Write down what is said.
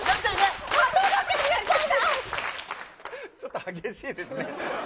ちょっと激しいですね。